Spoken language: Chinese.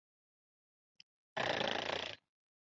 她说想要以有意义的方式使用才华和影响力。